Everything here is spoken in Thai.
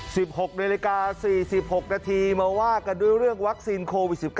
๑๖นาฬิกา๔๖นาทีมาว่ากันด้วยเรื่องวัคซีนโควิด๑๙